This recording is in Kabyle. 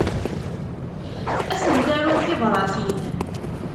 Ad sent-aruɣ tibratin.